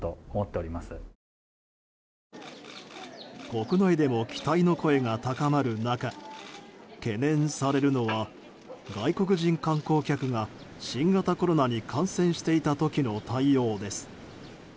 国内でも期待の声が高まる中懸念されるのは外国人観光客が、新型コロナに感染していた時の対応です。